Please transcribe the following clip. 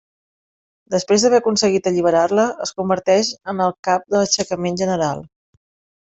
Després d'haver aconseguit alliberar-la, es converteix en el cap de l'aixecament general.